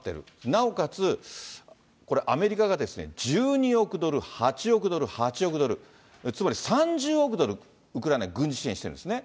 なおかつ、アメリカが１２億ドル、８億ドル、８億ドル、つまり３０億ドル、ウクライナに軍事支援してるんですね。